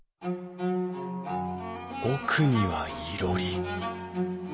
奥にはいろり。